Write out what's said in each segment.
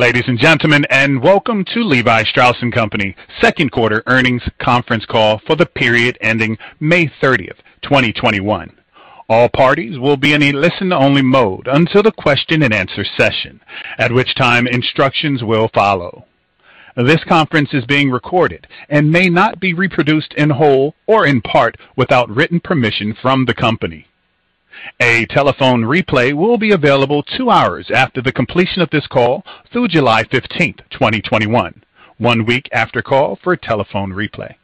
Ladies and gentlemen, and welcome to Levi Strauss & Company. second quarter earnings conference call for the period ending May 30th, 2021. All parties will be in a listen-only mode until the question-and-answer session, at which time instructions will follow. This conference is being recorded and may not be reproduced in whole or in part without written permission from the company. A telephone replay will be available two hours after the completion of this call through July 15th, 2021, one week after call for a telephone replay.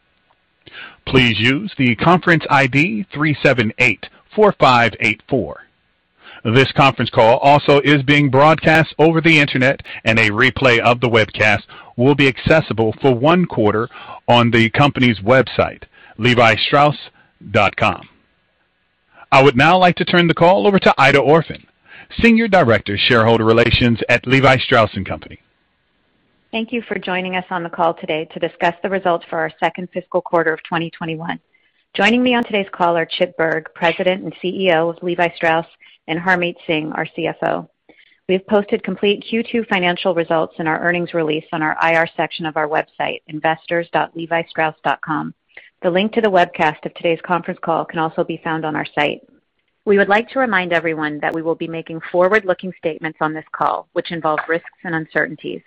Please use the conference ID 3784584. This conference call also is being broadcast over the Internet, and a replay of the webcast will be accessible for one quarter on the company's website, levistrauss.com. I would now like to turn the call over to Aida Orphan, Senior Director, Shareholder Relations at Levi Strauss & Company. Thank you for joining us on the call today to discuss the results for our second fiscal quarter of 2021. Joining me on today's call are Chip Bergh, President and CEO of Levi Strauss, and Harmit Singh, our CFO. We've posted complete Q2 financial results in our earnings release on our IR section of our website, investors.levistrauss.com. The link to the webcast of today's conference call can also be found on our site. We would like to remind everyone that we will be making forward-looking statements on this call, which involve risks and uncertainties.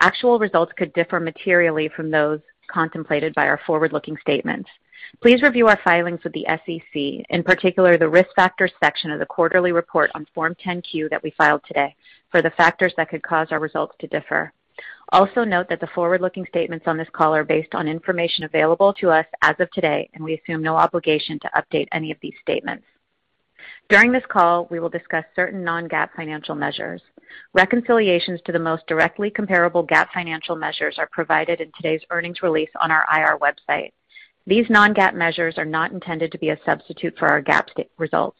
Actual results could differ materially from those contemplated by our forward-looking statements. Please review our filings with the SEC, in particular, the risk factors section of the quarterly report on Form 10-Q that we filed today for the factors that could cause our results to differ. Also note that the forward-looking statements on this call are based on information available to us as of today, we assume no obligation to update any of these statements. During this call, we will discuss certain non-GAAP financial measures. Reconciliations to the most directly comparable GAAP financial measures are provided in today's earnings release on our IR website. These non-GAAP measures are not intended to be a substitute for our GAAP results.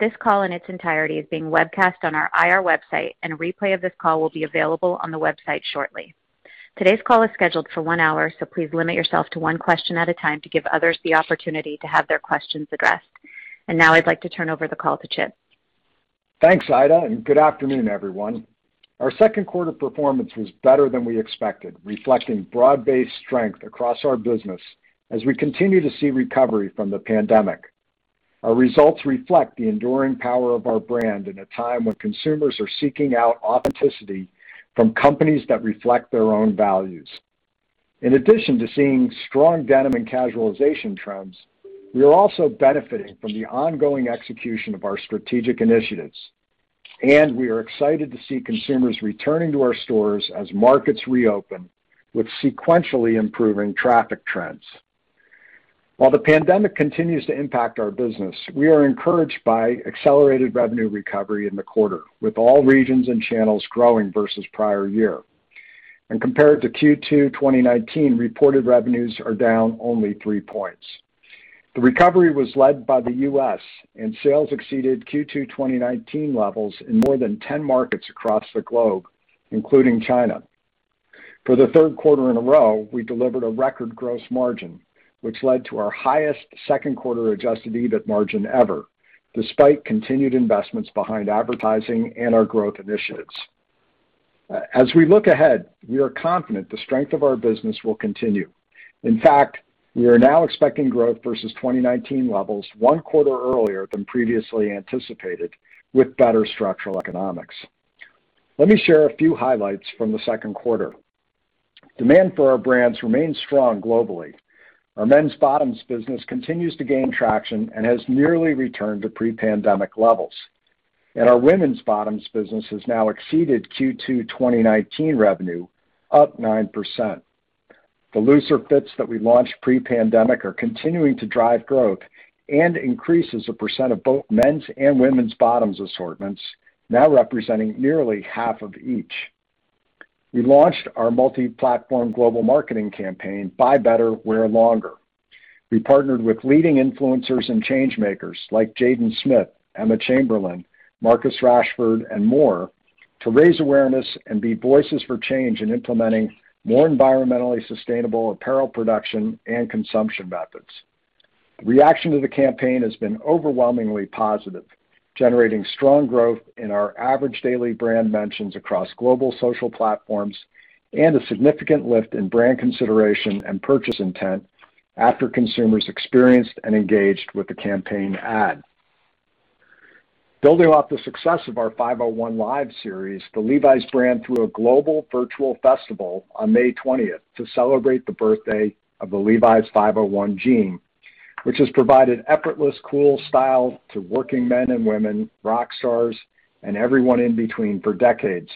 This call in its entirety is being webcast on our IR website, a replay of this call will be available on the website shortly. Today's call is scheduled for one hour, please limit yourself to one question at a time to give others the opportunity to have their questions addressed. Now I'd like to turn over the call to Chip. Thanks, Aida, good afternoon, everyone. Our second quarter performance was better than we expected, reflecting broad-based strength across our business as we continue to see recovery from the pandemic. Our results reflect the enduring power of our brand in a time when consumers are seeking out authenticity from companies that reflect their own values. In addition to seeing strong denim and casualization trends, we are also benefiting from the ongoing execution of our strategic initiatives and we are excited to see consumers returning to our stores as markets reopen with sequentially improving traffic trends. While the pandemic continues to impact our business, we are encouraged by accelerated revenue recovery in the quarter, with all regions and channels growing versus prior year. Compared to Q2 2019, reported revenues are down only 3 points. The recovery was led by the U.S., and sales exceeded Q2 2019 levels in more than 10 markets across the globe, including China. For the third quarter in a row, we delivered a record gross margin, which led to our highest second quarter adjusted EBIT margin ever, despite continued investments behind advertising and our growth initiatives. As we look ahead, we are confident the strength of our business will continue. In fact, we are now expecting growth versus 2019 levels one quarter earlier than previously anticipated with better structural economics. Let me share a few highlights from the second quarter. Demand for our brands remains strong globally. Our men's bottoms business continues to gain traction and has nearly returned to pre-pandemic levels. Our women's bottoms business has now exceeded Q2 2019 revenue, up 9%. The looser fits that we launched pre-pandemic are continuing to drive growth and increase as a percent of both men's and women's bottoms assortments, now representing nearly half of each. We launched our multi-platform global marketing campaign, Buy Better, Wear Longer. We partnered with leading influencers and change-makers like Jaden Smith, Emma Chamberlain, Marcus Rashford, and more to raise awareness and be voices for change in implementing more environmentally sustainable apparel production and consumption methods. The reaction to the campaign has been overwhelmingly positive, generating strong growth in our average daily brand mentions across global social platforms and a significant lift in brand consideration and purchase intent after consumers experienced and engaged with the campaign ad. Building off the success of our 5:01 Live series, the Levi's brand threw a global virtual festival on May 20th to celebrate the birthday of the Levi's 501 jean, which has provided effortless, cool style to working men and women, rock stars, and everyone in between for decades.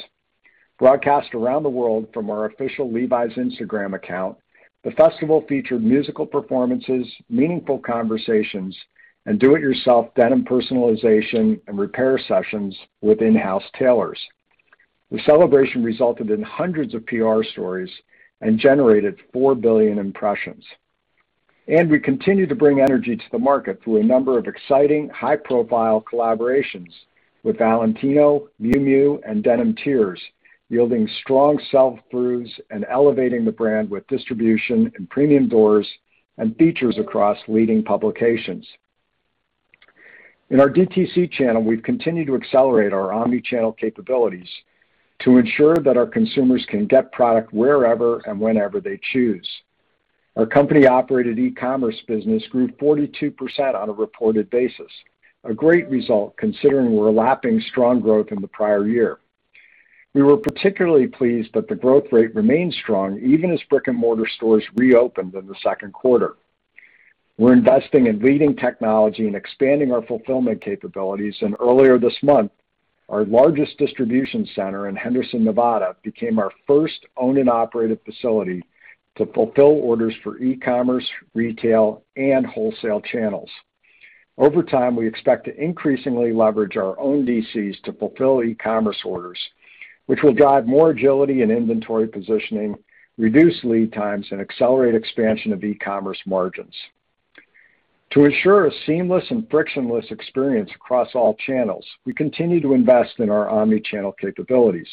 Broadcast around the world from our official Levi's Instagram account, the festival featured musical performances, meaningful conversations, and do-it-yourself denim personalization and repair sessions with in-house tailors. The celebration resulted in hundreds of PR stories and generated 4 billion impressions. We continue to bring energy to the market through a number of exciting high-profile collaborations with Valentino, Miu Miu, and Denim Tears, yielding strong sell-throughs and elevating the brand with distribution in premium doors and features across leading publications. In our DTC channel, we've continued to accelerate our omni-channel capabilities to ensure that our consumers can get product wherever and whenever they choose. Our company-operated e-commerce business grew 42% on a reported basis, a great result considering we're lapping strong growth in the prior year. We were particularly pleased that the growth rate remained strong, even as brick-and-mortar stores reopened in the second quarter. We're investing in leading technology and expanding our fulfillment capabilities, and earlier this month, our largest distribution center in Henderson, Nevada, became our first owned and operated facility to fulfill orders for e-commerce, retail, and wholesale channels. Over time, we expect to increasingly leverage our own DCs to fulfill e-commerce orders, which will drive more agility in inventory positioning, reduce lead times, and accelerate expansion of e-commerce margins. To ensure a seamless and frictionless experience across all channels, we continue to invest in our omni-channel capabilities.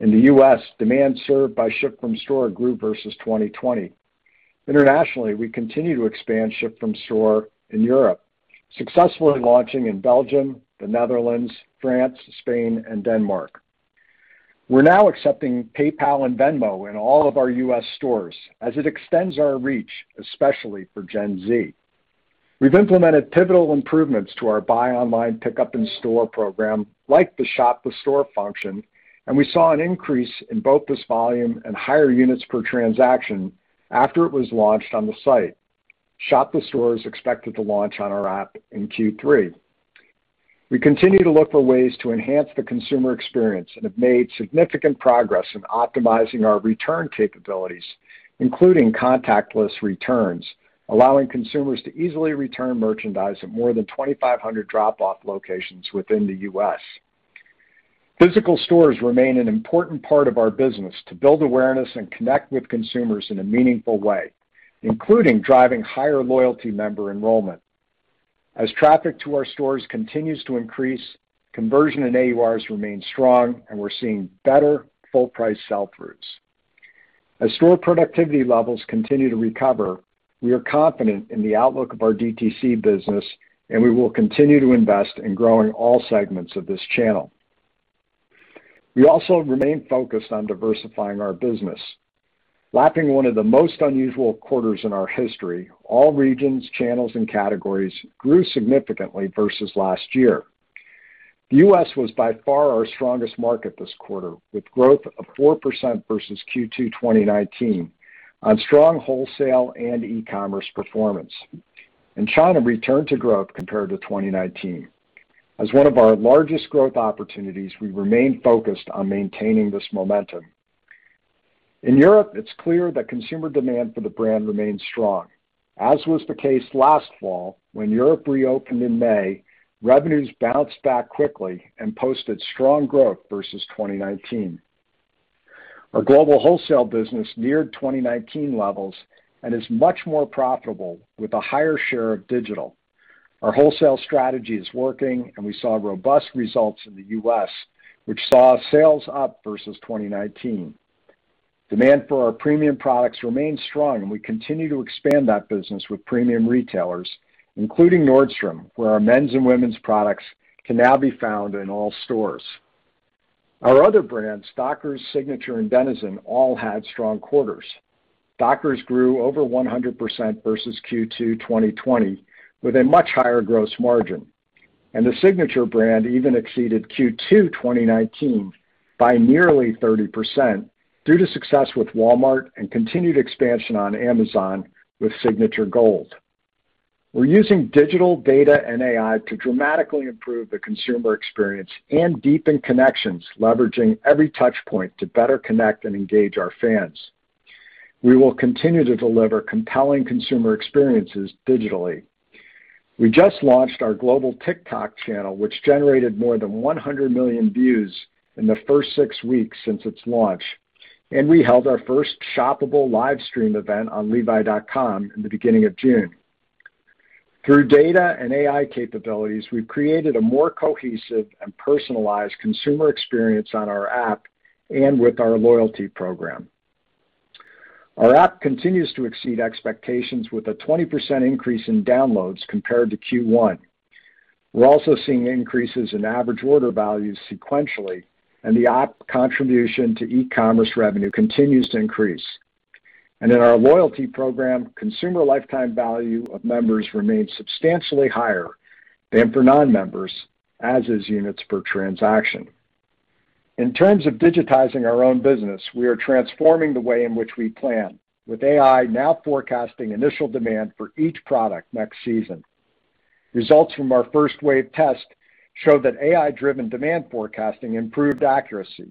In the U.S., demand served by ship from store grew versus 2020. Internationally, we continue to expand ship from store in Europe, successfully launching in Belgium, the Netherlands, France, Spain, and Denmark. We're now accepting PayPal and Venmo in all of our U.S. stores, as it extends our reach, especially for Gen Z. We've implemented pivotal improvements to our buy online pickup in store program, like the shop with store function, and we saw an increase in both this volume and higher units per transaction after it was launched on the site. Shop the store is expected to launch on our app in Q3. We continue to look for ways to enhance the consumer experience and have made significant progress in optimizing our return capabilities, including contactless returns, allowing consumers to easily return merchandise at more than 2,500 drop-off locations within the U.S. Physical stores remain an important part of our business to build awareness and connect with consumers in a meaningful way, including driving higher loyalty member enrollment. As traffic to our stores continues to increase, conversion and AURs remain strong, and we're seeing better full price sell-throughs. As store productivity levels continue to recover, we are confident in the outlook of our DTC business, and we will continue to invest in growing all segments of this channel. We also remain focused on diversifying our business. Lapping one of the most unusual quarters in our history, all regions, channels, and categories grew significantly versus last year. The U.S. was by far our strongest market this quarter, with growth of 4% versus Q2 2019 on strong wholesale and e-commerce performance. In China, we returned to growth compared to 2019. As one of our largest growth opportunities, we remain focused on maintaining this momentum. In Europe, it's clear that consumer demand for the brand remains strong. As was the case last fall, when Europe reopened in May, revenues bounced back quickly and posted strong growth versus 2019. Our global wholesale business neared 2019 levels and is much more profitable with a higher share of digital. Our wholesale strategy is working, and we saw robust results in the U.S., which saw sales up versus 2019. Demand for our premium products remains strong, and we continue to expand that business with premium retailers, including Nordstrom, where our men's and women's products can now be found in all stores. Our other brands, Dockers, Signature, and Denizen, all had strong quarters. Dockers grew over 100% versus Q2 2020 with a much higher gross margin. The Signature brand even exceeded Q2 2019 by nearly 30% due to success with Walmart and continued expansion on Amazon with Signature Gold. We're using digital data and AI to dramatically improve the consumer experience and deepen connections, leveraging every touch point to better connect and engage our fans. We will continue to deliver compelling consumer experiences digitally. We just launched our global TikTok channel, which generated more than 100 million views in the first six weeks since its launch. We held our first shoppable live stream event on levi.com in the beginning of June. Through data and AI capabilities, we've created a more cohesive and personalized consumer experience on our app and with our loyalty program. Our app continues to exceed expectations with a 20% increase in downloads compared to Q1. We're also seeing increases in average order values sequentially. The app contribution to e-commerce revenue continues to increase. In our loyalty program, consumer lifetime value of members remains substantially higher than for non-members, as is units per transaction. In terms of digitizing our own business, we are transforming the way in which we plan, with AI now forecasting initial demand for each product next season. Results from our first wave test show that AI-driven demand forecasting improved accuracy,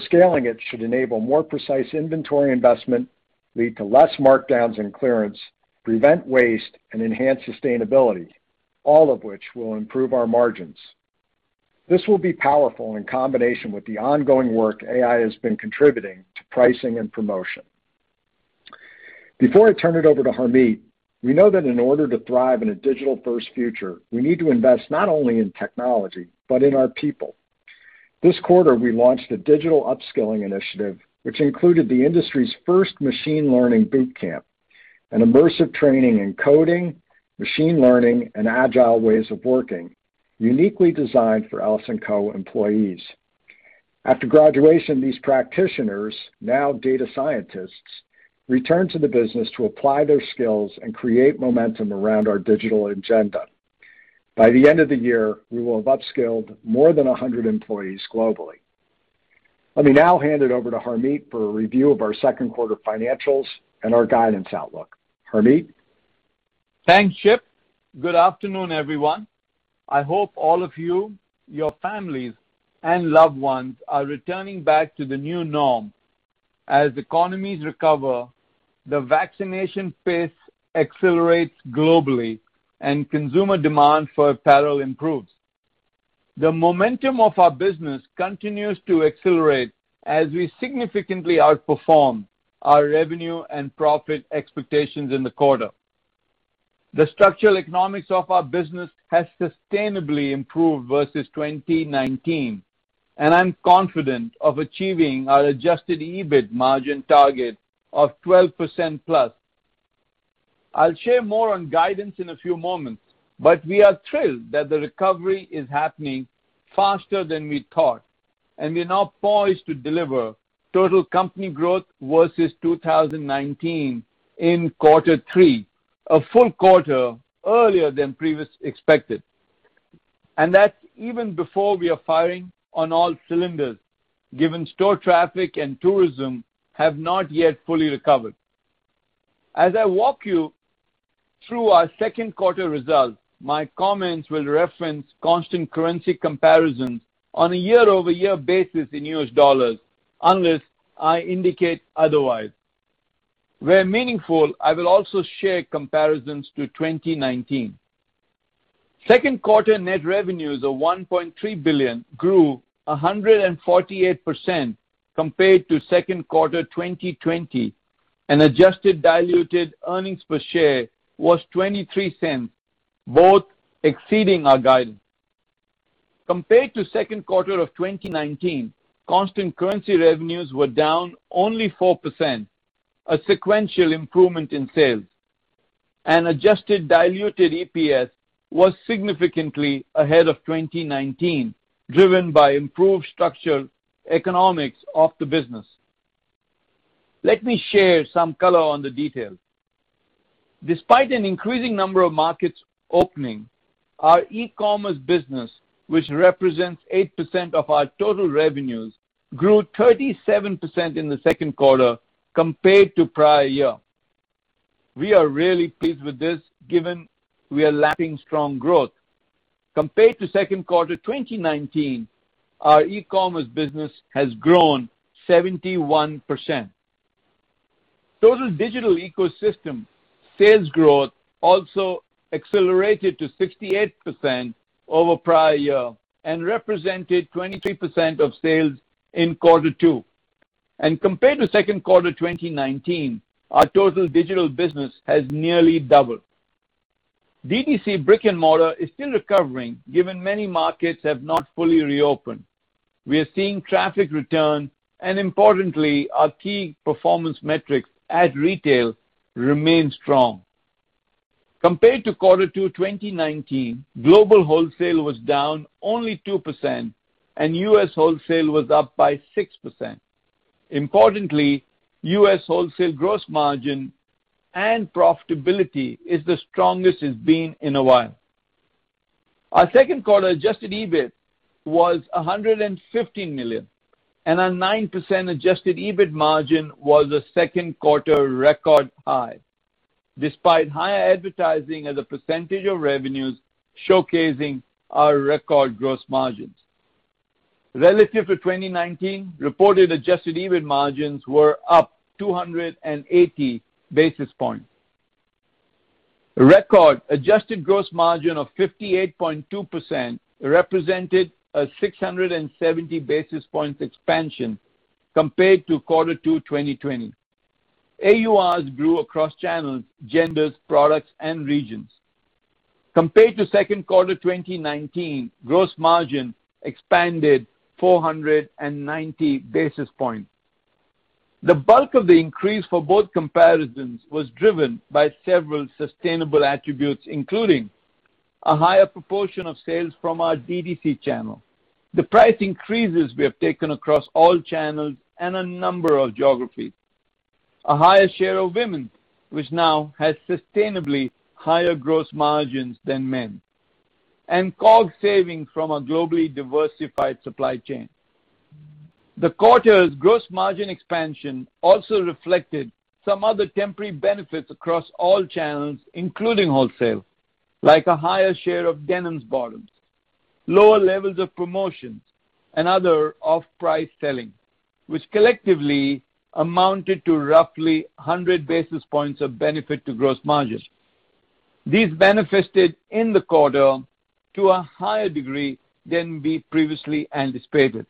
scaling it should enable more precise inventory investment, lead to less markdowns and clearance, prevent waste, and enhance sustainability, all of which will improve our margins. This will be powerful in combination with the ongoing work AI has been contributing to pricing and promotion. Before I turn it over to Harmit, we know that in order to thrive in a digital-first future, we need to invest not only in technology but in our people. This quarter, we launched a Digital Upskilling Initiative, which included the industry's first Machine Learning Boot Camp, an immersive training in coding, machine learning, and agile ways of working, uniquely designed for LS&Co. employees. After graduation, these practitioners, now data scientists, return to the business to apply their skills and create momentum around our digital agenda. By the end of the year, we will have upskilled more than 100 employees globally. Let me now hand it over to Harmit for a review of our second quarter financials and our guidance outlook. Harmit? Thanks, Chip. Good afternoon, everyone. I hope all of you, your families, and loved ones are returning back to the new norm. As economies recover, the vaccination pace accelerates globally and consumer demand for apparel improves. The momentum of our business continues to accelerate as we significantly outperform our revenue and profit expectations in the quarter. The structural economics of our business has sustainably improved versus 2019, and I'm confident of achieving our adjusted EBIT margin target of 12%+. I'll share more on guidance in a few moments, but we are thrilled that the recovery is happening faster than we thought, and we are now poised to deliver total company growth versus 2019 in quarter three, a full quarter earlier than previously expected. That's even before we are firing on all cylinders, given store traffic and tourism have not yet fully recovered. As I walk you through our second quarter results, my comments will reference constant currency comparisons on a year-over-year basis in U.S. dollars, unless I indicate otherwise. Where meaningful, I will also share comparisons to 2019. Second quarter net revenues of $1.3 billion grew 148% compared to second quarter 2020, and adjusted diluted earnings per share was $0.23, both exceeding our guidance. Compared to second quarter of 2019, constant currency revenues were down only 4%, a sequential improvement in sales. Adjusted diluted EPS was significantly ahead of 2019, driven by improved structural economics of the business. Let me share some color on the details. Despite an increasing number of markets opening, our e-commerce business, which represents 8% of our total revenues, grew 37% in the second quarter compared to prior year. We are really pleased with this, given we are lacking strong growth. Compared to second quarter 2019, our e-commerce business has grown 71%. Total digital ecosystem sales growth also accelerated to 68% over prior year and represented 23% of sales in quarter two. Compared to second quarter 2019, our total digital business has nearly doubled. D2C brick-and-mortar is still recovering given many markets have not fully reopened. We are seeing traffic return, and importantly, our key performance metrics at retail remain strong. Compared to quarter two 2019, global wholesale was down only 2%, and U.S. wholesale was up by 6%. Importantly, U.S. wholesale gross margin and profitability is the strongest it's been in a while. Our second quarter adjusted EBIT was $150 million, and our 9% adjusted EBIT margin was a second quarter record high, despite higher advertising as a percentage of revenues showcasing our record gross margins. Relative to 2019, reported adjusted EBIT margins were up 280 basis points. A record adjusted gross margin of 58.2% represented a 670 basis points expansion compared to quarter two 2020. AURs grew across channels, genders, products, and regions. Compared to second quarter 2019, gross margin expanded 490 basis points. The bulk of the increase for both comparisons was driven by several sustainable attributes, including a higher proportion of sales from our DTC channel, the price increases we have taken across all channels and a number of geographies, a higher share of women's, which now has sustainably higher gross margins than men, and COGS savings from a globally diversified supply chain. The quarter's gross margin expansion also reflected some other temporary benefits across all channels, including wholesale, like a higher share of denims bottoms, lower levels of promotions, and other off-price selling, which collectively amounted to roughly 100 basis points of benefit to gross margins. These benefited in the quarter to a higher degree than we previously anticipated.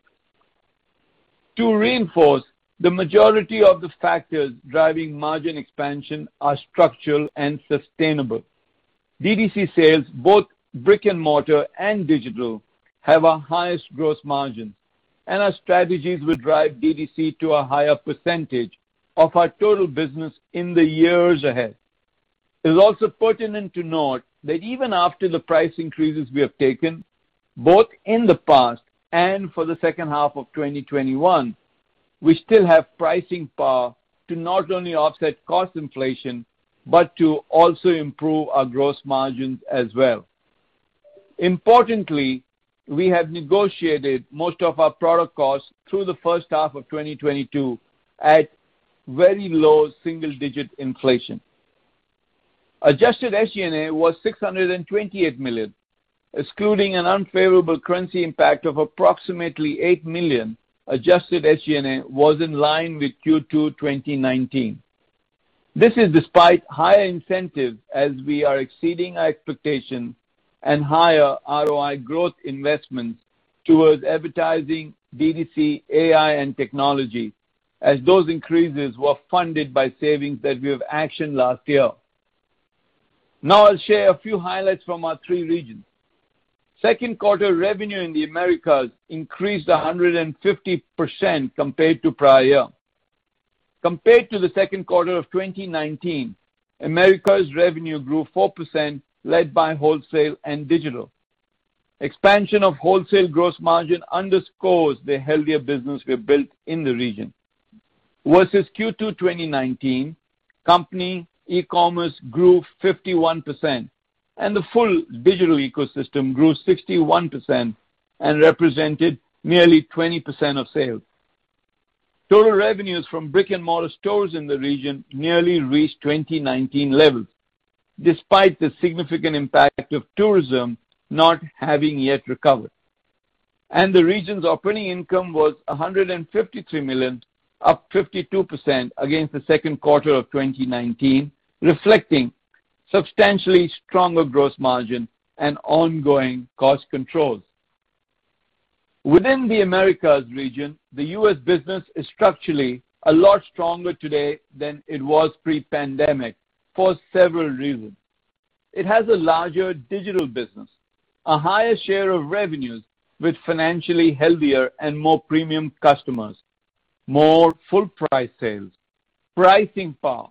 To reinforce, the majority of the factors driving margin expansion are structural and sustainable. DTC sales, both brick-and-mortar and digital, have our highest gross margins, and our strategies will drive DTC to a higher percentage of our total business in the years ahead. It is also pertinent to note that even after the price increases we have taken, both in the past and for the second half of 2021, we still have pricing power to not only offset cost inflation, but to also improve our gross margins as well. Importantly, we have negotiated most of our product costs through the first half of 2022 at very low single-digit inflation. Adjusted SG&A was $628 million. Excluding an unfavorable currency impact of approximately $8 million, adjusted SG&A was in line with Q2 2019. This is despite higher incentives as we are exceeding our expectations and higher ROI growth investments towards advertising, DTC, AI, and technology, as those increases were funded by savings that we have actioned last year. Now I'll share a few highlights from our three regions. Second quarter revenue in the Americas increased 150% compared to prior year. Compared to the second quarter of 2019, Americas revenue grew 4%, led by wholesale and digital. Expansion of wholesale gross margin underscores the healthier business we built in the region. Versus Q2 2019, company e-commerce grew 51%, and the full digital ecosystem grew 61% and represented nearly 20% of sales. Total revenues from brick-and-mortar stores in the region nearly reached 2019 levels, despite the significant impact of tourism not having yet recovered. The region's operating income was $153 million, up 52% against the second quarter of 2019, reflecting substantially stronger gross margin and ongoing cost controls. Within the Americas region, the U.S. business is structurally a lot stronger today than it was pre-pandemic for several reasons. It has a larger digital business, a higher share of revenues with financially healthier and more premium customers, more full price sales, pricing power,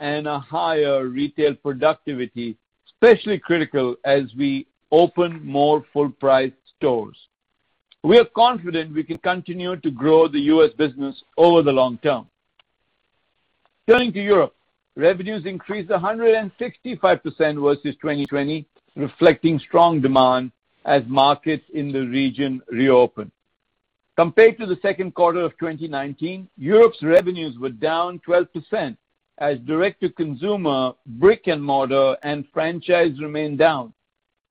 and a higher retail productivity, especially critical as we open more full price stores. We are confident we can continue to grow the U.S. business over the long term. Turning to Europe, revenues increased 165% versus 2020, reflecting strong demand as markets in the region reopen. Compared to the second quarter of 2019, Europe's revenues were down 12% as direct-to-consumer, brick-and-mortar, and franchise remained down,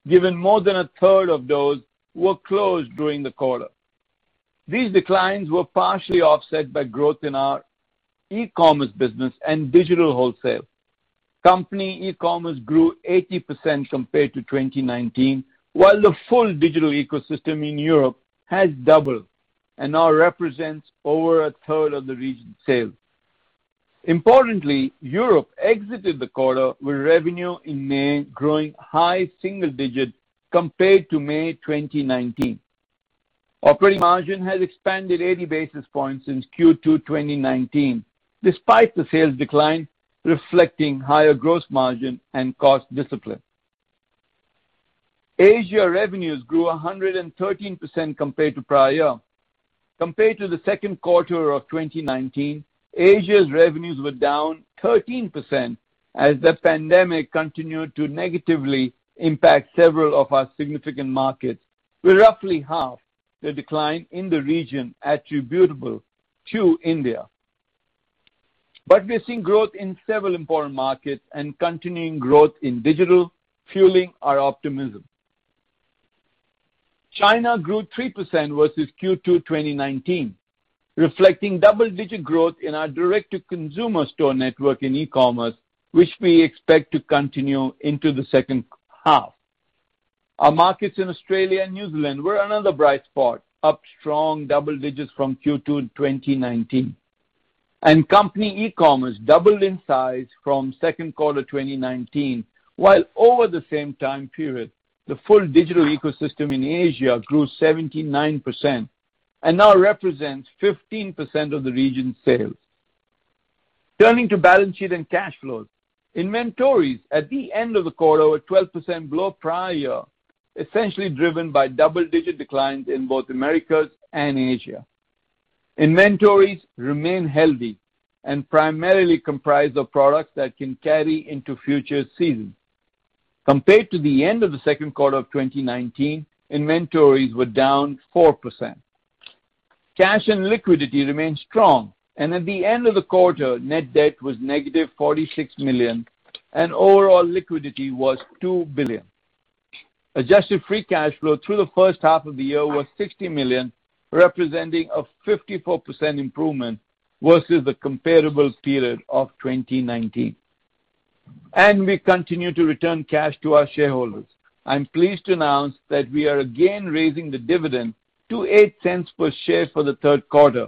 given more than 1/3 of those were closed during the quarter. These declines were partially offset by growth in our e-commerce business and digital wholesale. Company e-commerce grew 80% compared to 2019, while the full digital ecosystem in Europe has doubled and now represents over 1/3 of the region's sales. Importantly, Europe exited the quarter with revenue in May growing high-single digits compared to May 2019. Operating margin has expanded 80 basis points since Q2 2019 despite the sales decline, reflecting higher gross margin and cost discipline. Asia revenues grew 113% compared to prior year. Compared to the second quarter of 2019, Asia's revenues were down 13% as the pandemic continued to negatively impact several of our significant markets, with roughly half the decline in the region attributable to India. We are seeing growth in several important markets and continuing growth in digital, fueling our optimism. China grew 3% versus Q2 2019, reflecting double-digit growth in our direct-to-consumer store network and e-commerce, which we expect to continue into the second half. Our markets in Australia and New Zealand were another bright spot, up strong double digits from Q2 2019, and company e-commerce doubled in size from second quarter 2019, while over the same time period, the full digital ecosystem in Asia grew 79% and now represents 15% of the region's sales. Turning to balance sheet and cash flows, inventories at the end of the quarter were 12% below prior year, essentially driven by double-digit declines in both Americas and Asia. Inventories remain healthy and primarily comprise of products that can carry into future seasons. Compared to the end of the second quarter of 2019, inventories were down 4%. Cash and liquidity remain strong, and at the end of the quarter, net debt was $-46 million, and overall liquidity was $2 billion. Adjusted free cash flow through the first half of the year was $60 million, representing a 54% improvement versus the comparable period of 2019. We continue to return cash to our shareholders. I'm pleased to announce that we are again raising the dividend to $0.08 per share for the third quarter,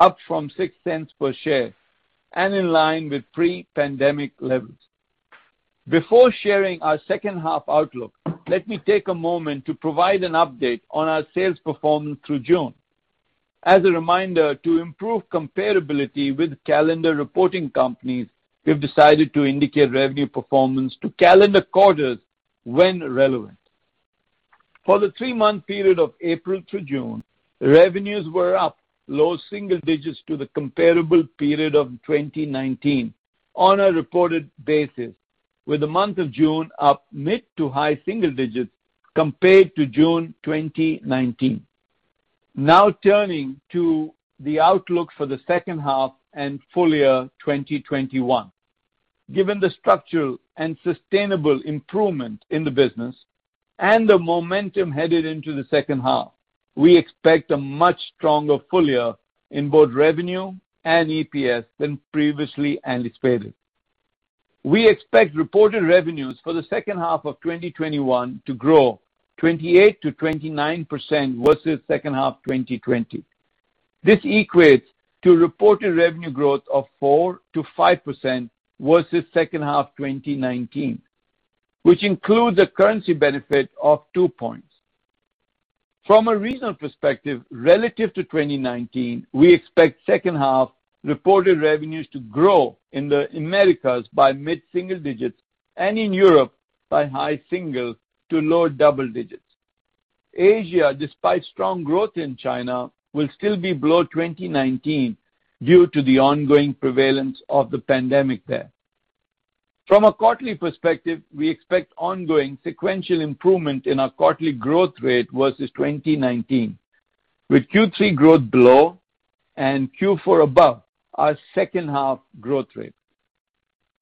up from $0.06 per share, and in line with pre-pandemic levels. Before sharing our second half outlook, let me take a moment to provide an update on our sales performance through June. As a reminder, to improve comparability with calendar reporting companies, we've decided to indicate revenue performance to calendar quarters when relevant. For the three-month period of April through June, revenues were up low-single digits to the comparable period of 2019 on a reported basis, with the month of June up mid to high-single digits compared to June 2019. Now turning to the outlook for the second half and full year 2021. Given the structural and sustainable improvement in the business and the momentum headed into the second half, we expect a much stronger full year in both revenue and EPS than previously anticipated. We expect reported revenues for the second half of 2021 to grow 28%-29% versus second half 2020. This equates to reported revenue growth of 4%-5% versus second half 2019, which includes a currency benefit of 2 points. From a regional perspective, relative to 2019, we expect second half reported revenues to grow in the Americas by mid-single digits and in Europe by high-single to low-double digits. Asia, despite strong growth in China, will still be below 2019 due to the ongoing prevalence of the pandemic there. From a quarterly perspective, we expect ongoing sequential improvement in our quarterly growth rate versus 2019, with Q3 growth below and Q4 above our second half growth rate.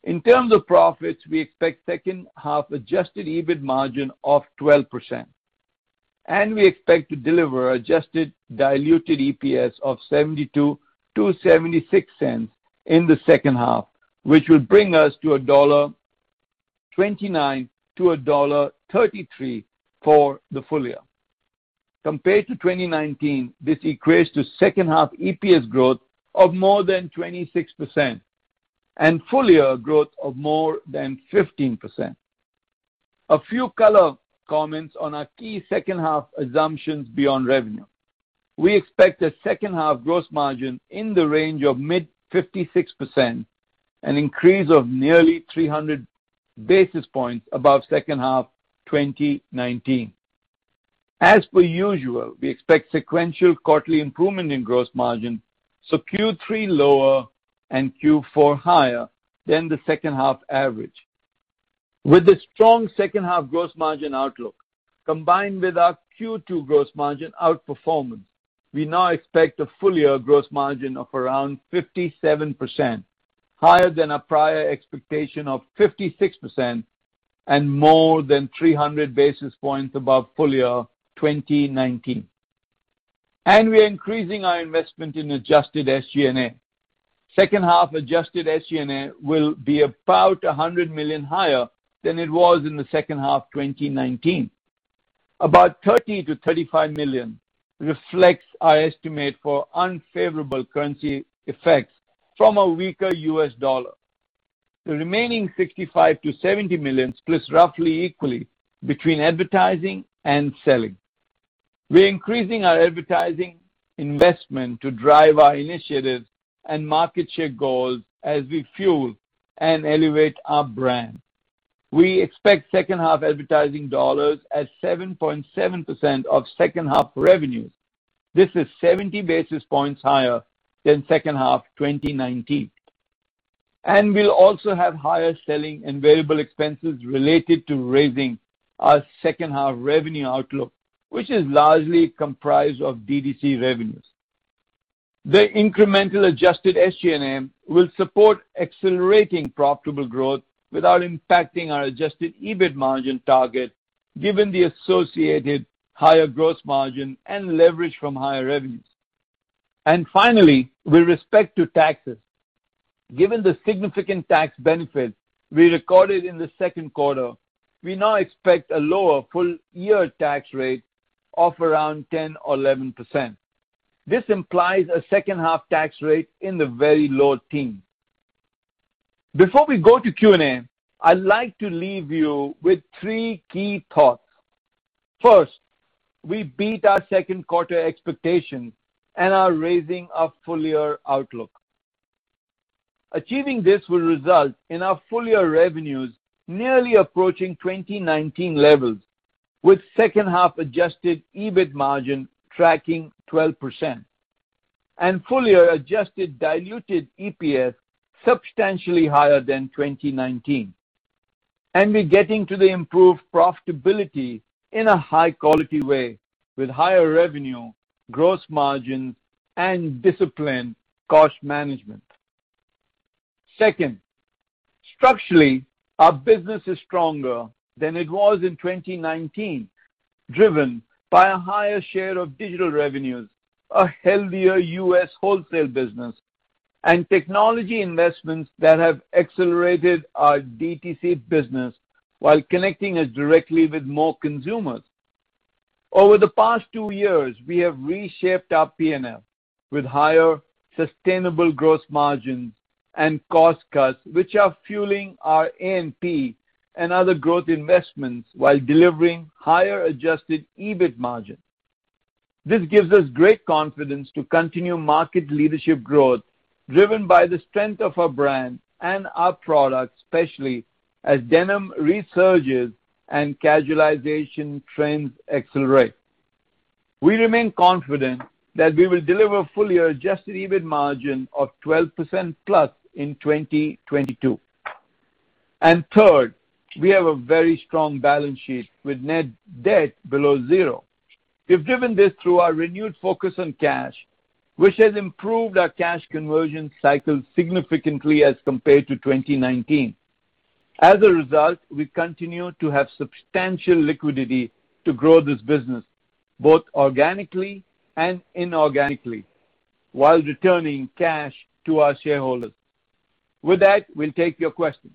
In terms of profits, we expect second half adjusted EBIT margin of 12%, and we expect to deliver adjusted diluted EPS of $0.72-$0.76 in the second half, which would bring us to $1.29-$1.33 for the full year. Compared to 2019, this equates to second half EPS growth of more than 26% and full year growth of more than 15%. A few color comments on our key second half assumptions beyond revenue. We expect a second half gross margin in the range of mid 56%, an increase of nearly 300 basis points above second half 2019. As per usual, we expect sequential quarterly improvement in gross margin, so Q3 lower and Q4 higher than the second half average. With a strong second half gross margin outlook, combined with our Q2 gross margin outperformance, we now expect a full year gross margin of around 57%, higher than our prior expectation of 56% and more than 300 basis points above full year 2019 and we're increasing our investment in adjusted SG&A. Second half adjusted SG&A will be about $100 million higher than it was in the second half 2019. About $30 million-$35 million reflects our estimate for unfavorable currency effects from a weaker U.S. dollar. The remaining $65 million-$70 million splits roughly equally between advertising and selling. We're increasing our advertising investment to drive our initiatives and market share goals as we fuel and elevate our brand. We expect second half advertising dollars at 7.7% of second half revenues. This is 70 basis points higher than second half 2019. We'll also have higher selling and variable expenses related to raising our second half revenue outlook, which is largely comprised of DTC revenues. The incremental adjusted SG&A will support accelerating profitable growth without impacting our adjusted EBIT margin target given the associated higher gross margin and leverage from higher revenues. Finally, with respect to taxes, given the significant tax benefit we recorded in the second quarter, we now expect a lower full year tax rate of around 10% or 11%. This implies a second half tax rate in the very low teens. Before we go to Q&A, I'd like to leave you with three key thoughts. First, we beat our second quarter expectations and are raising our full year outlook. Achieving this will result in our full year revenues nearly approaching 2019 levels, with second half adjusted EBIT margin tracking 12% and full year adjusted diluted EPS substantially higher than 2019. We're getting to the improved profitability in a high-quality way with higher revenue, gross margin, and disciplined cost management. Second, structurally, our business is stronger than it was in 2019. Driven by a higher share of digital revenues, a healthier U.S. wholesale business, and technology investments that have accelerated our DTC business while connecting us directly with more consumers. Over the past two years, we have reshaped our P&L with higher sustainable gross margins and cost cuts, which are fueling our A&P and other growth investments while delivering higher adjusted EBIT margins. This gives us great confidence to continue market leadership growth driven by the strength of our brand and our products, especially as denim resurges and casualization trends accelerate. We remain confident that we will deliver full-year adjusted EBIT margin of 12%+ in 2022. Third, we have a very strong balance sheet with net debt below zero. We've driven this through our renewed focus on cash, which has improved our cash conversion cycle significantly as compared to 2019. As a result, we continue to have substantial liquidity to grow this business, both organically and inorganically, while returning cash to our shareholders. With that, we'll take your questions.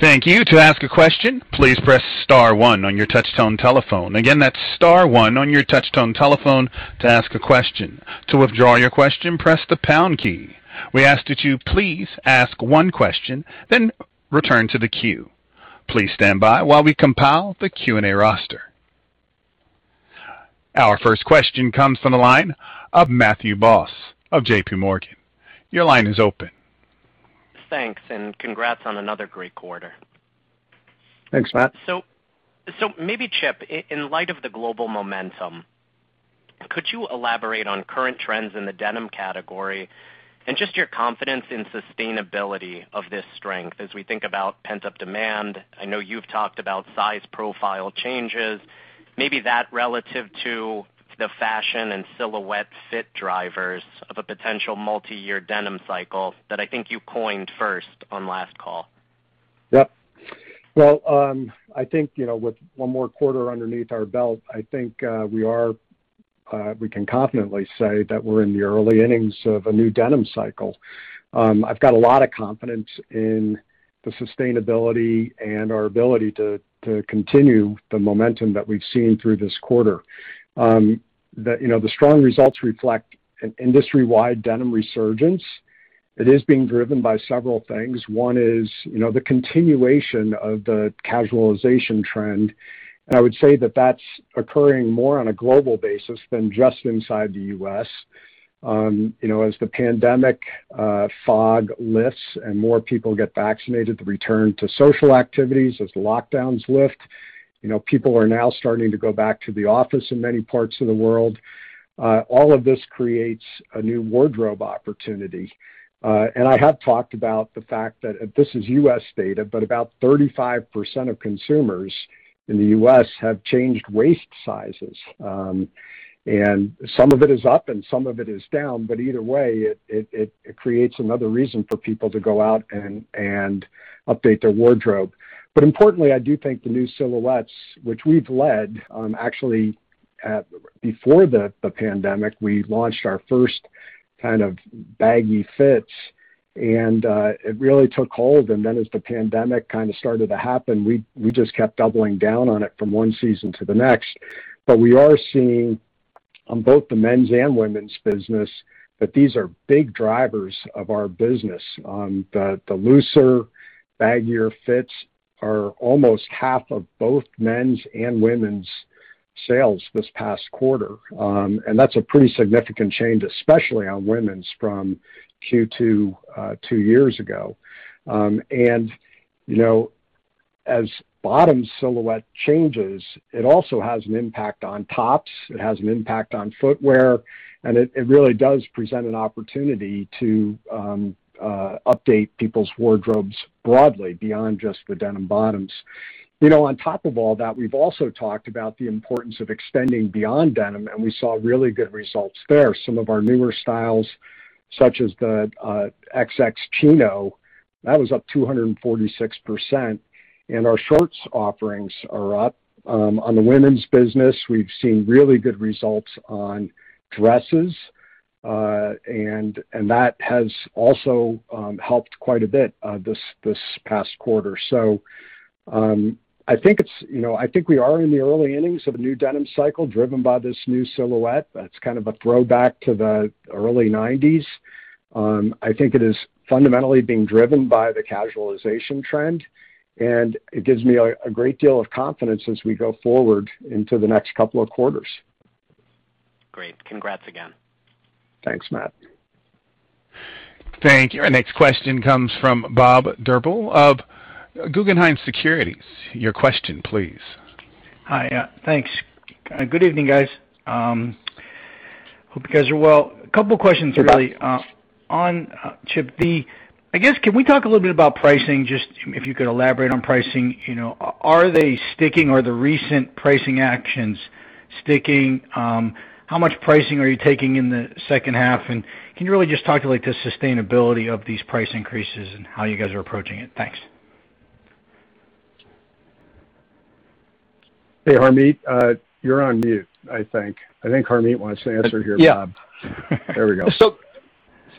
Thank you. To ask a question, please press star one on your touch-tone telephone. Again, that's star one on your touch-tone telephone to ask a question. To withdraw your question, press the pound key. We ask that you please ask one question, then return to the queue. Please stand by while we compile the Q&A roster. Our first question comes from the line of Matthew Boss of JPMorgan. Your line is open. Thanks, and congrats on another great quarter. Thanks, Matt. Maybe Chip, in light of the global momentum, could you elaborate on current trends in the denim category and just your confidence in sustainability of this strength as we think about pent-up demand? I know you've talked about size profile changes. Maybe that relative to the fashion and silhouette fit drivers of a potential multi-year denim cycle that I think you coined first on last call. Yep. Well, I think, with one more quarter underneath our belt, I think we can confidently say that we're in the early innings of a new denim cycle. I've got a lot of confidence in the sustainability and our ability to continue the momentum that we've seen through this quarter. The strong results reflect an industry-wide denim resurgence. It is being driven by several things. One is the continuation of the casualization trend, and I would say that that's occurring more on a global basis than just inside the U.S. As the pandemic fog lifts and more people get vaccinated, the return to social activities as lockdowns lift. People are now starting to go back to the office in many parts of the world. All of this creates a new wardrobe opportunity. I have talked about the fact that this is U.S. data, but about 35% of consumers in the U.S. have changed waist sizes. Some of it is up and some of it is down, but either way, it creates another reason for people to go out and update their wardrobe. Importantly, I do think the new silhouettes, which we've led. Actually, before the pandemic, we launched our first baggy fits, and it really took hold. As the pandemic started to happen, we just kept doubling down on it from one season to the next. We are seeing on both the men's and women's business, that these are big drivers of our business. The looser baggier fits are almost half of both men's and women's sales this past quarter and that's a pretty significant change, especially on women's from Q2 two years ago. As bottom silhouette changes, it also has an impact on tops, it has an impact on footwear, and it really does present an opportunity to update people's wardrobes broadly beyond just the denim bottoms. On top of all that, we've also talked about the importance of extending beyond denim, and we saw really good results there. Some of our newer styles, such as the XX Chino, that was up 246%, and our shorts offerings are up. On the women's business, we've seen really good results on dresses and that has also helped quite a bit this past quarter. I think we are in the early innings of a new denim cycle driven by this new silhouette that's kind of a throwback to the early '90s. I think it is fundamentally being driven by the casualization trend, and it gives me a great deal of confidence as we go forward into the next couple of quarters. Great. Congrats again. Thanks, Matt. Thank you. Our next question comes from Bob Drbul of Guggenheim Securities. Your question please. Hi. Thanks. Good evening, guys. Hope you guys are well. A couple of questions really. Chip, I guess, can we talk a little bit about pricing, just if you could elaborate on pricing. Are they sticking? Are the recent pricing actions sticking? How much pricing are you taking in the second half? Can you really just talk about the sustainability of these price increases and how you guys are approaching it? Thanks. Hey, Harmit, you're on mute, I think. I think Harmit wants to answer here. Yeah. There we go.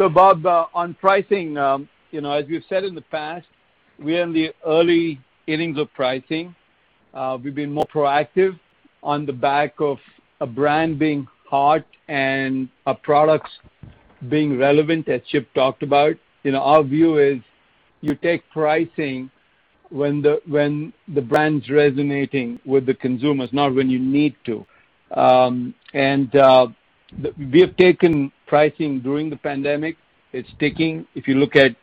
Bob, on pricing, as we've said in the past, we're in the early innings of pricing. We've been more proactive on the back of a brand being hot and our products being relevant, as Chip talked about. Our view is you take pricing when the brand's resonating with the consumers, not when you need to. We have taken pricing during the pandemic. It's sticking. If you look at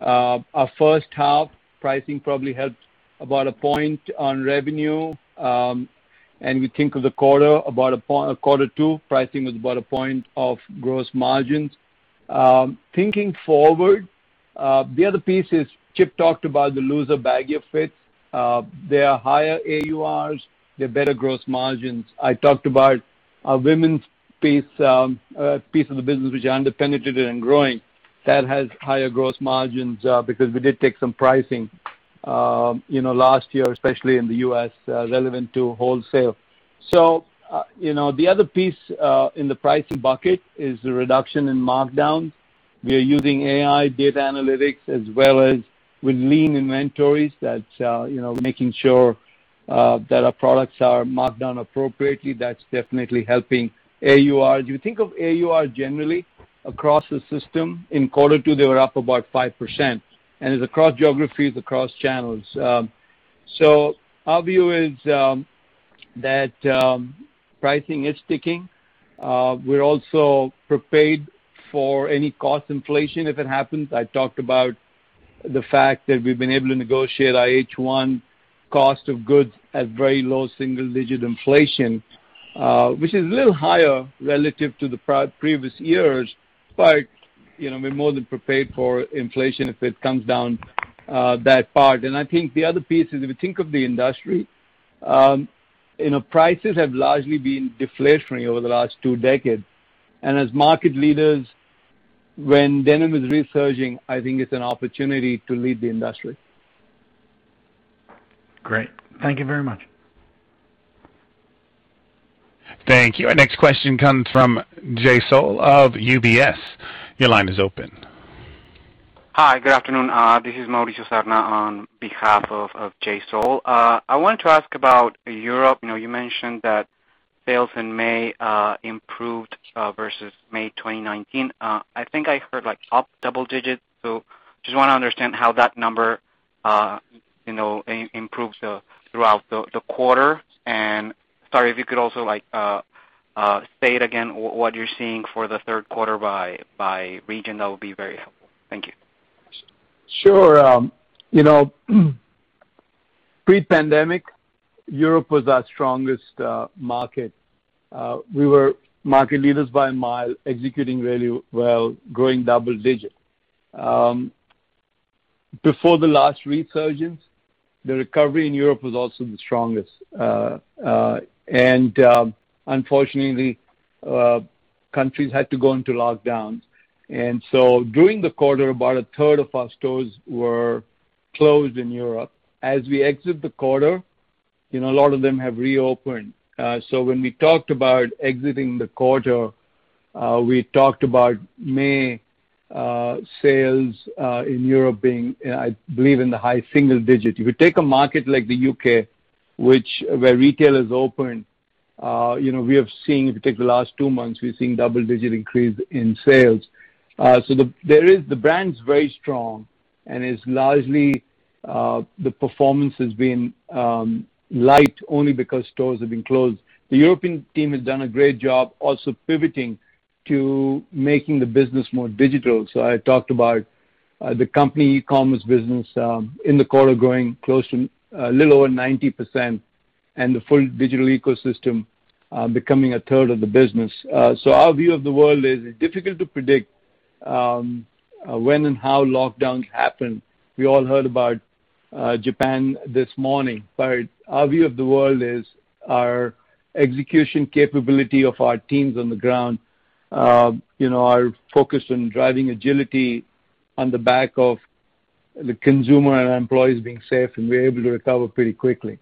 our first half, pricing probably helped about 1 point on revenue. We think of the quarter two pricing is about 1 point of gross margins. Thinking forward, the other piece is Chip talked about the looser baggie fit. They are higher AURs, they're better gross margins. I talked about our women's piece of the business, which is under-penetrated and growing. That has higher gross margins because we did take some pricing last year, especially in the U.S. relevant to wholesale. The other piece in the pricing bucket is the reduction in markdowns. We are using AI data analytics as well as with lean inventories. That's making sure that our products are marked down appropriately. That's definitely helping AUR. If you think of AUR generally across the system, in quarter two, they were up about 5%, and it's across geographies, across channels. Our view is that pricing is sticking. We're also prepared for any cost inflation if it happens. I talked about the fact that we've been able to negotiate our H1 cost of goods at very low single-digit inflation, which is a little higher relative to the previous years. We're more than prepared for inflation if it comes down that part. I think the other piece is, if you think of the industry, prices have largely been deflating over the last two decades. As market leaders, when denim is resurging, I think it's an opportunity to lead the industry. Great. Thank you very much. Thank you. Our next question comes from Jay Sole of UBS. Your line is open. Hi, good afternoon. This is Mauricio Serna on behalf of Jay Sole. I wanted to ask about Europe. You mentioned that sales in May improved versus May 2019. I think I heard up double digits. Just want to understand how that number improves throughout the quarter. Sorry if you could also state again what you're seeing for the third quarter by region, that would be very helpful. Thank you. Sure. Pre-pandemic, Europe was our strongest market. We were market leaders by mile, executing really well, growing double digits. Before the last resurgence, the recovery in Europe was also the strongest. Unfortunately, countries had to go into lockdowns. During the quarter, about 1/3 of our stores were closed in Europe. As we exit the quarter, a lot of them have reopened. When we talked about exiting the quarter, we talked about May sales in Europe being, I believe, in the high-single digits. If you take a market like the U.K., where retail is open, we have seen, if you take the last two months, we've seen double-digit increase in sales. The brand's very strong, and it's largely the performance has been light only because stores have been closed. The European team has done a great job also pivoting to making the business more digital. I talked about the company e-commerce business in the quarter growing a little over 90% and the full digital ecosystem becoming 1/3 of the business. Our view of the world is it's difficult to predict when and how lockdowns happen. We all heard about Japan this morning, but our view of the world is our execution capability of our teams on the ground, our focus on driving agility on the back of the consumer and employees being safe, and we're able to recover pretty quickly.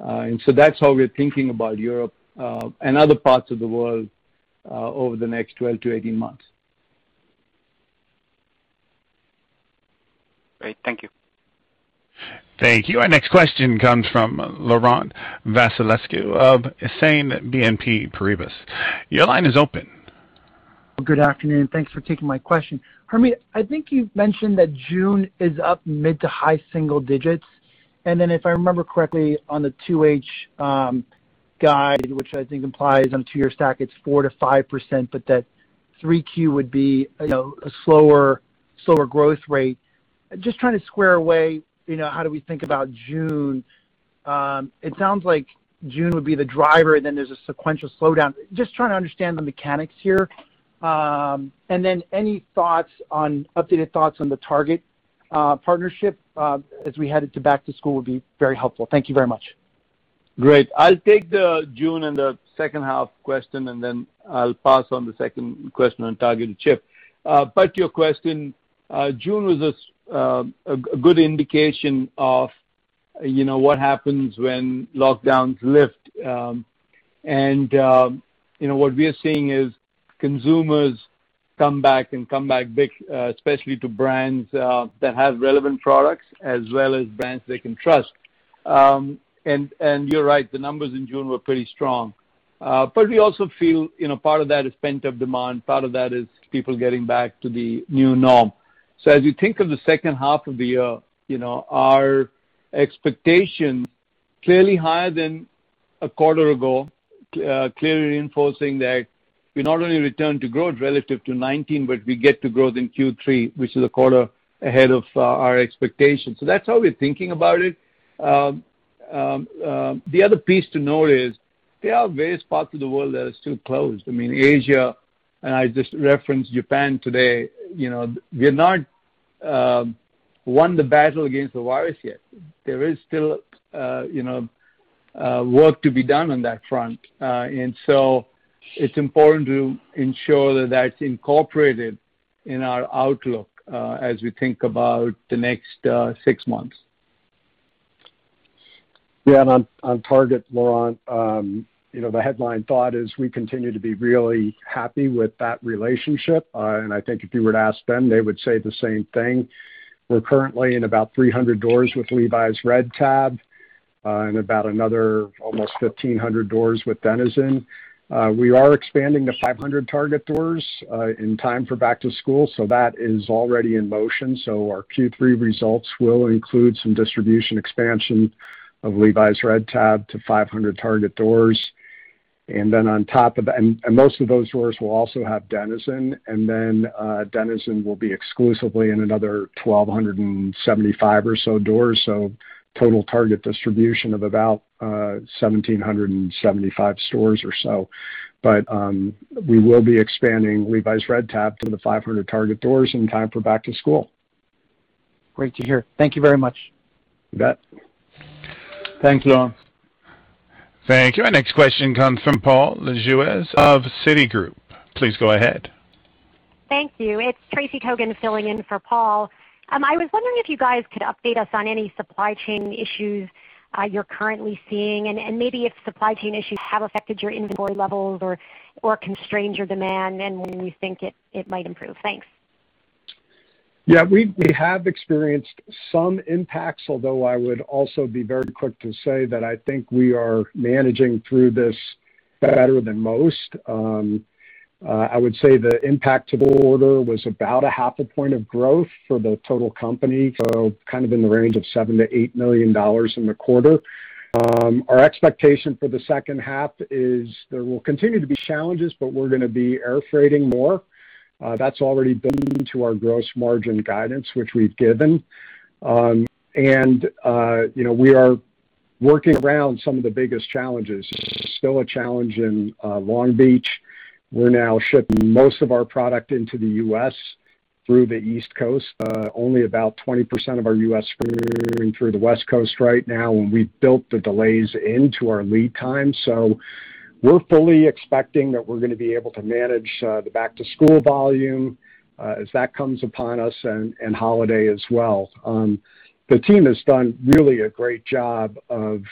That's how we're thinking about Europe and other parts of the world over the next 12-18 months. Great. Thank you. Thank you. Our next question comes from Laurent Vasilescu of Exane BNP Paribas. Your line is open. Good afternoon. Thanks for taking my question. Harmit, I think you've mentioned that June is up mid-to-high-single digits, and then if I remember correctly, on the 2H guide, which I think implies on two-year stack it's 4%-5%, but that 3Q would be a slower growth rate. Just trying to square away how do we think about June? It sounds like June would be the driver, then there's a sequential slowdown. Just trying to understand the mechanics here. Any updated thoughts on the Target? Partnership as we head into back to school would be very helpful. Thank you very much. Great. I'll take the June and the second half question, and then I'll pass on the second question on Target to Chip. To your question, June was a good indication of what happens when lockdowns lift. What we are seeing is consumers come back, and come back big, especially to brands that have relevant products as well as brands they can trust. You're right, the numbers in June were pretty strong. We also feel part of that is pent-up demand, part of that is people getting back to the new norm. As you think of the second half of the year, our expectations clearly higher than a quarter ago, clearly reinforcing that we not only return to growth relative to 2019, but we get to growth in Q3, which is a quarter ahead of our expectations. That's how we're thinking about it. The other piece to note is there are various parts of the world that are still closed. I mean, Asia, I just referenced Japan today. We've not won the battle against the virus yet. There is still work to be done on that front and so it's important to ensure that that's incorporated in our outlook as we think about the next six months. Yeah, on Target, Laurent. The headline thought is we continue to be really happy with that relationship. I think if you were to ask them, they would say the same thing. We're currently in about 300 doors with Levi's Red Tab and about another almost 1,500 doors with Denizen. We are expanding to 500 Target doors in time for back to school, that is already in motion. Our Q3 results will include some distribution expansion of Levi's Red Tab to 500 Target doors. Most of those doors will also have Denizen, then Denizen will be exclusively in another 1,275 or so doors. Total Target distribution of about 1,775 stores or so. We will be expanding Levi's Red Tab to the 500 Target doors in time for back to school. Great to hear. Thank you very much. You bet. Thanks, Laurent. Thank you. Our next question comes from Paul Lejuez of Citigroup. Please go ahead. Thank you. It's Tracy Kogan filling in for Paul. I was wondering if you guys could update us on any supply chain issues you're currently seeing, and maybe if supply chain issues have affected your inventory levels or constrained your demand, and when you think it might improve. Thanks. Yeah. We have experienced some impacts, although I would also be very quick to say that I think we are managing through this better than most. I would say the impact to the quarter was about 0.5 point of growth for the total company, kind of in the range of $7 million-$8 million in the quarter. Our expectation for the second half is there will continue to be challenges, we're going to be air freighting more. That's already built into our gross margin guidance, which we've given. We are working around some of the biggest challenges. Still a challenge in Long Beach. We're now shipping most of our product into the U.S. through the East Coast. Only about 20% of our U.S. volume is going through the West Coast right now, we've built the delays into our lead time. We're fully expecting that we're going to be able to manage the back to school volume as that comes upon us, and holiday as well. The team has done really a great job of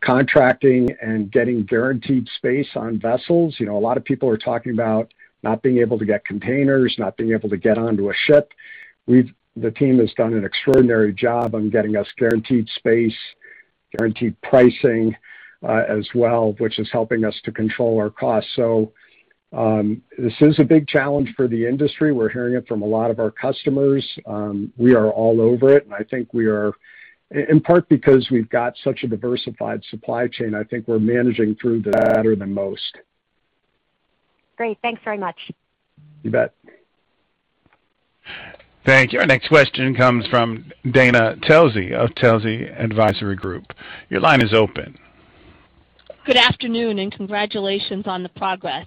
contracting and getting guaranteed space on vessels. A lot of people are talking about not being able to get containers, not being able to get onto a ship. The team has done an extraordinary job on getting us guaranteed space, guaranteed pricing as well, which is helping us to control our costs. This is a big challenge for the industry. We're hearing it from a lot of our customers. We are all over it, and I think we are, in part because we've got such a diversified supply chain, I think we're managing through this better than most. Great. Thanks very much. You bet. Thank you. Our next question comes from Dana Telsey of Telsey Advisory Group. Your line is open. Good afternoon, congratulations on the progress.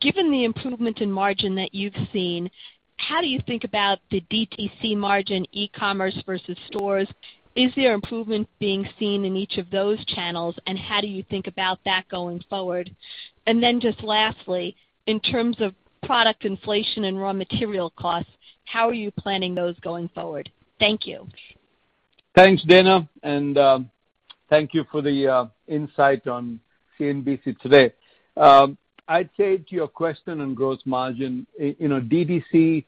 Given the improvements in margin that you've seen, how do you think about the DTC margin, e-commerce versus stores? Is there improvements being seen in each of those channels, and how do you think about that going forward? Just lastly, in terms of product inflation and raw material costs, how are you planning those going forward? Thank you. Thanks, Dana, and thank you for the insight on CNBC today. I'd say to your question on gross margin, DTC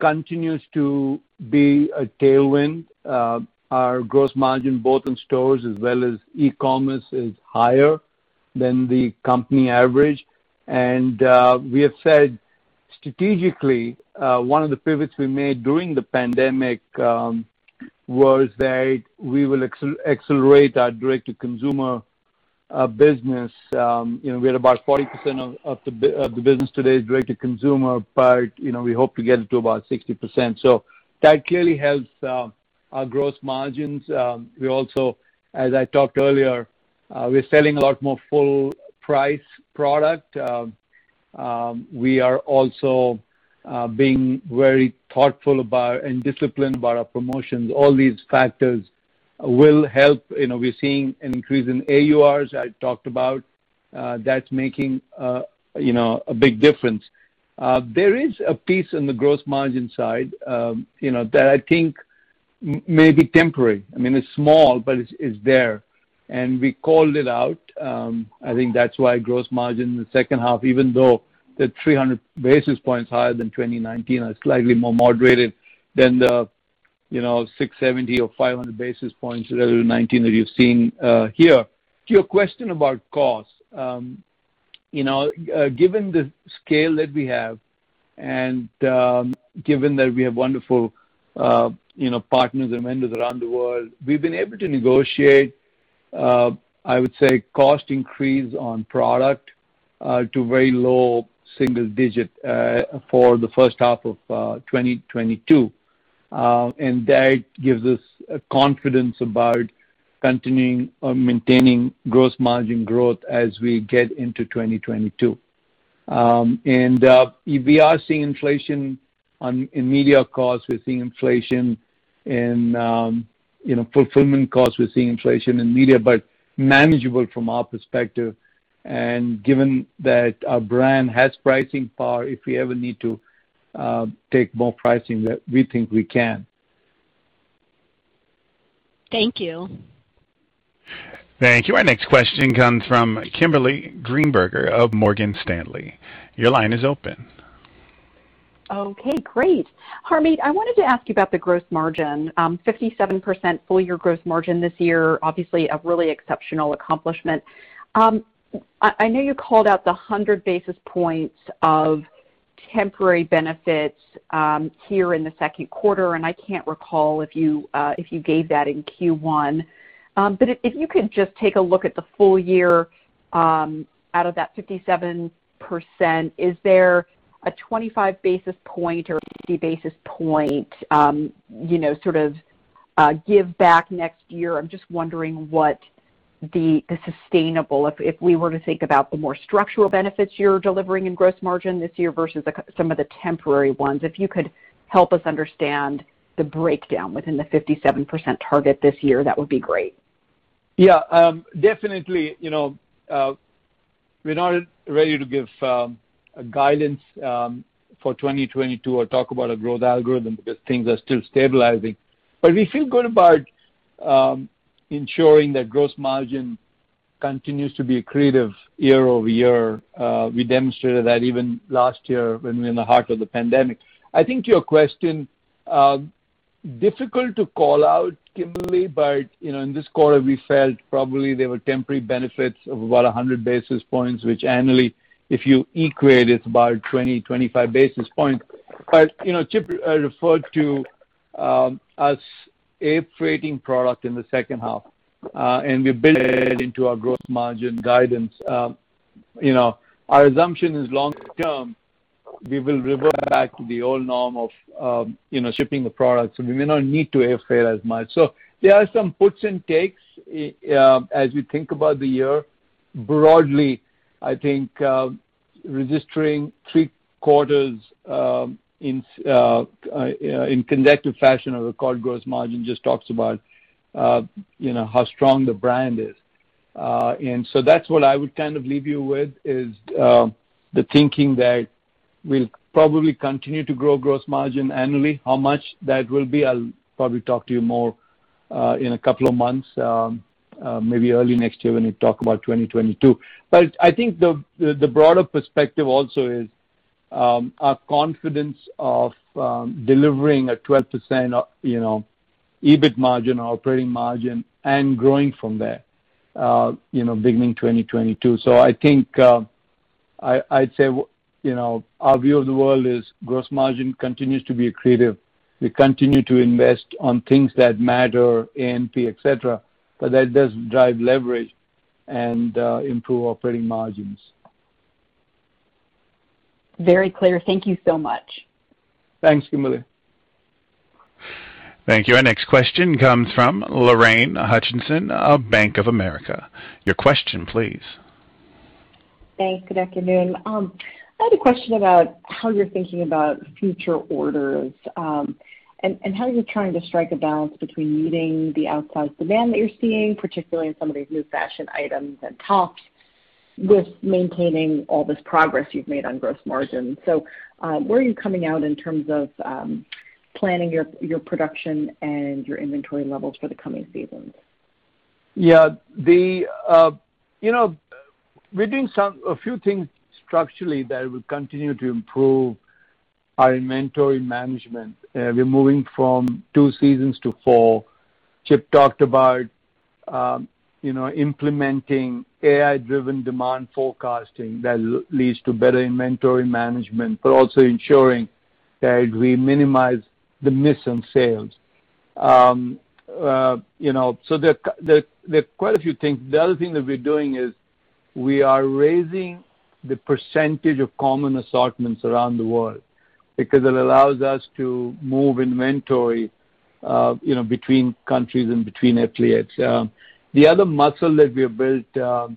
continues to be a tailwind. Our gross margin both in stores as well as e-commerce is higher than the company average. We have said strategically, one of the pivots we made during the pandemic was that we will accelerate our direct-to-consumer business. We have about 40% of the business today is direct-to-consumer, but we hope to get it to about 60%. That clearly helps our gross margins. We also, as I talked earlierWe're selling a lot more full-price product. We are also being very thoughtful about and disciplined about our promotions. All these factors will help. We're seeing an increase in AURs I talked about. That's making a big difference. There is a piece in the gross margin side that I think may be temporary and it's small, but it's there, and we called it out. I think that's why gross margin in the second half, even though the 300 basis points higher than 2019 are slightly more moderated than the 670 or 500 basis points relative to 2019 that you've seen here. To your question about cost. Given the scale that we have and given that we have wonderful partners and vendors around the world, we've been able to negotiate, I would say, cost increase on product to very low single-digit for the first half of 2022 and that gives us confidence about continuing or maintaining gross margin growth as we get into 2022. We are seeing inflation on media costs. We're seeing inflation in fulfillment costs. We're seeing inflation in media, but manageable from our perspective. Given that our brand has pricing power, if we ever need to take more pricing, that we think we can. Thank you. Thank you. Our next question comes from Kimberly Greenberger of Morgan Stanley. Your line is open. Okay, great. Harmit, I wanted to ask you about the gross margin, 57% full year gross margin this year. Obviously, a really exceptional accomplishment. I know you called out the 100 basis points of temporary benefits here in the second quarter, and I can't recall if you gave that in Q1. If you could just take a look at the full year, out of that 57%, is there a 25 basis point or 50 basis point sort of give back next year? I'm just wondering what the sustainable, if we were to think about the more structural benefits you're delivering in gross margin this year versus some of the temporary ones, if you could help us understand the breakdown within the 57% target this year, that would be great. Yeah. Definitely, we're not ready to give guidance for 2022 or talk about a growth algorithm because things are still stabilizing. We feel good about ensuring that gross margin continues to be accretive year-over-year. We demonstrated that even last year when we were in the heart of the pandemic. I think to your question, difficult to call out, Kimberly, in this quarter, we felt probably there were temporary benefits of about 100 basis points, which annually, if you equate, it's about 20, 25 basis points. Chip referred to us air freighting product in the second half, and we built it into our gross margin guidance. Our assumption is long-term, we will revert back to the old norm of shipping the product, we may not need to air freight as much. There are some puts and takes as we think about the year. Broadly, I think registering three quarters in consecutive fashion of a record gross margin just talks about how strong the brand is. That's what I would kind of leave you with is the thinking that we'll probably continue to grow gross margin annually. How much that will be, I'll probably talk to you more in a couple of months, maybe early next year when we talk about 2022. I think the broader perspective also is our confidence of delivering a 12% EBIT margin, our operating margin, and growing from there beginning 2022. I think I'd say our view of the world is gross margin continues to be accretive. We continue to invest on things that matter, A&P, etc., but that does drive leverage and improve operating margins. Very clear. Thank you so much. Thanks, Kimberly. Thank you. Our next question comes from Lorraine Hutchinson of Bank of America. Your question, please. Thanks. Good afternoon. I had a question about how you're thinking about future orders and how you're trying to strike a balance between meeting the outsized demand that you're seeing, particularly in some of these new fashion items and tops, with maintaining all this progress you've made on gross margins. Where are you coming out in terms of planning your production and your inventory levels for the coming seasons? We're doing a few things structurally that will continue to improve our inventory management. We're moving from two seasons to four. Chip talked about implementing AI-driven demand forecasting that leads to better inventory management, but also ensuring that we minimize the miss on sales. The other thing that we're doing is we are raising the percentage of common assortments around the world. It allows us to move inventory between countries and between channels. The other muscle that we have built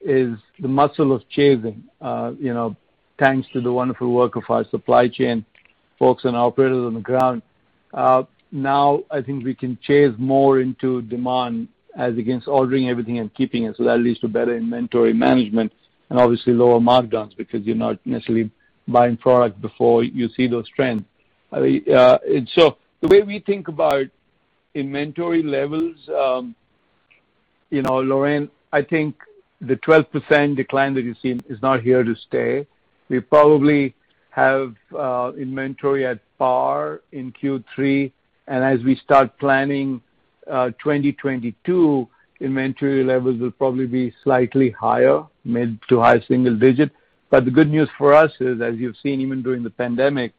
is the muscle of chasing. Thanks to the wonderful work of our supply chain folks and operators on the ground, now I think we can chase more into demand as against ordering everything and keeping it that leads to better inventory management and obviously lower markdowns because you're not necessarily buying product before you see those trends. The way we think about inventory levels, Lorraine, I think the 12% decline that you've seen is not here to stay. We probably have inventory at par in Q3, and as we start planning 2022, inventory levels will probably be slightly higher, mid- to high-single digit. The good news for us is, as you've seen even during the pandemic,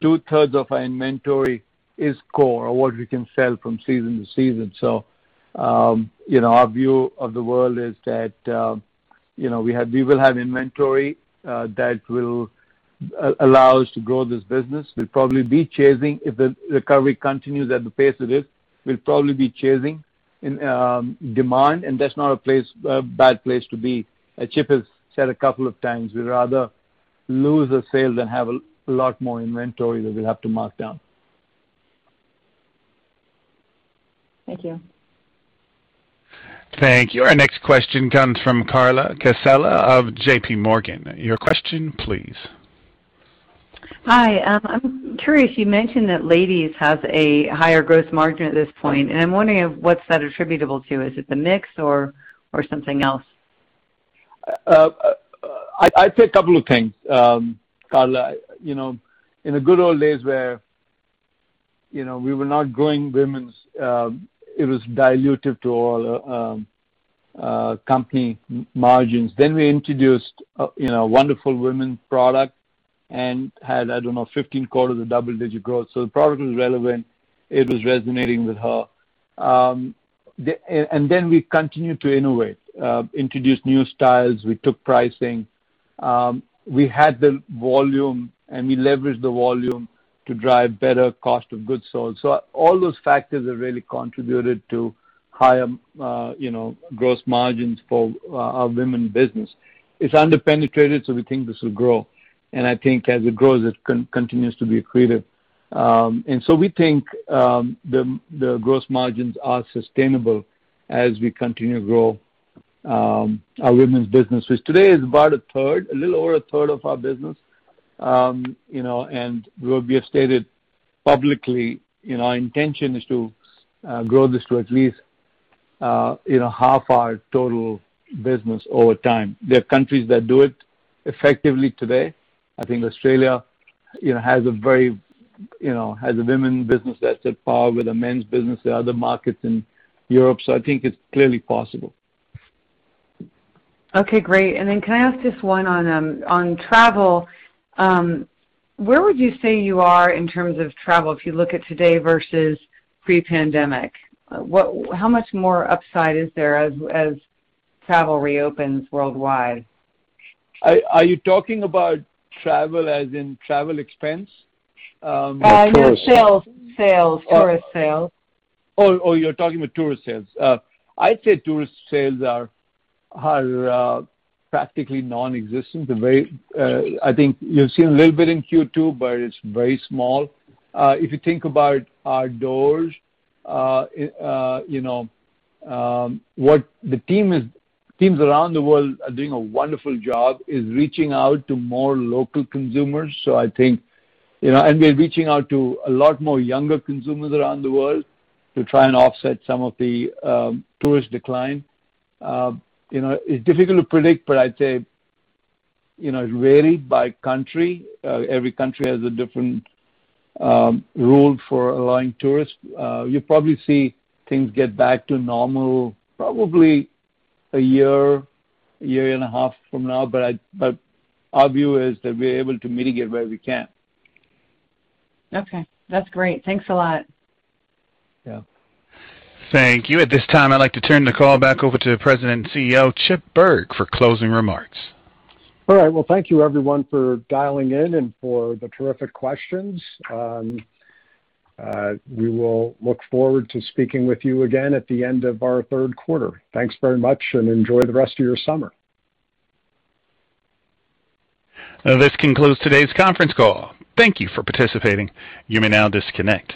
2/3 of our inventory is core, or what we can sell from season to season. Our view of the world is that we will have inventory that will allow us to grow this business. We'll probably be chasing if the recovery continues at the pace it is. We'll probably be chasing in demand, and that's not a bad place to be. As Chip has said a couple of times, we'd rather lose a sale than have a lot more inventory that we have to mark down. Thank you. Thank you. Our next question comes from Carla Casella of JPMorgan. Your question, please. Hi, I'm curious, you mentioned that ladies have a higher gross margin at this point. I'm wondering what's that attributable to. Is it the mix or something else? I'd say a couple of things, Carla. In the good old days where we were not growing women's, it was dilutive to all company margins then we introduced a wonderful women's product and had, I don't know, 15 quarters of double-digit growth so the product was relevant. It was resonating with her. We continued to innovate, introduced new styles, we took pricing. We had the volume, and we leveraged the volume to drive better cost of goods sold. All those factors have really contributed to higher gross margins for our women business. It's under-penetrated, so we think this will grow. I think as it grows, it continues to be accretive. We think the gross margins are sustainable as we continue to grow our women's business. Today is about 1/3, a little over 1/3 of our business and we have stated publicly our intention is to grow this to at least half our total business over time. There are countries that do it effectively today. I think Australia has a women's business that's at par with the men's business in other markets in Europe. I think it's clearly possible. Okay, great. Can I ask this one on travel? Where would you say you are in terms of travel, if you look at today versus pre-pandemic? How much more upside is there as travel reopens worldwide? Are you talking about travel as in travel expense? No, tourist sales. Oh, you're talking about tourist sales. I'd say tourist sales are practically non-existent. I think you'll see a little bit in Q2, but it's very small. If you think about outdoors, what the teams around the world are doing a wonderful job is reaching out to more local consumers. I think, and they're reaching out to a lot more younger consumers around the world to try and offset some of the tourist decline. It's difficult to predict, but I'd say it varied by country. Every country has a different rule for allowing tourists. You'll probably see things get back to normal probably a year and a half from now, but our view is that we're able to mitigate where we can. Okay, that's great. Thanks a lot. Yeah. Thank you. At this time, I'd like to turn the call back over to the President and CEO, Chip Bergh, for closing remarks. All right. Well, thank you everyone for dialing in and for the terrific questions. We will look forward to speaking with you again at the end of our third quarter. Thanks very much, and enjoy the rest of your summer. And this concludes today's conference call. Thank you for participating. You may now disconnect.